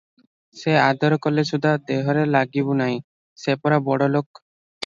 ସେ ଆଦର କଲେ ସୁଦ୍ଧା ଦେହରେ ଲାଗିବୁ ନାହି ସେ ପରା ବଡ଼ ଲୋକ ।